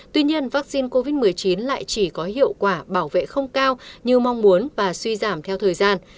tuy nhiên vaccine covid một mươi chín lại chỉ có hiệu quả bảo vệ không cao như mong muốn và suy giảm theo thời gian